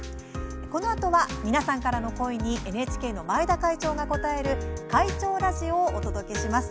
このあとは、皆さんからの声にＮＨＫの前田会長が応える「会長ラジオ」をお届けします。